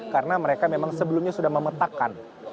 karena mereka memang sebelumnya sudah memetakan